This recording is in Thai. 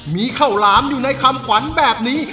มีข้าวหลามอยู่ในคำขวัญแบบนี้